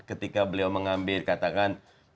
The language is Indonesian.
ketika beliau mengambil katakan